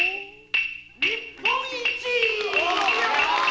・「日本一！」